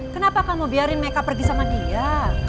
kenapa kamu biarin mereka pergi sama dia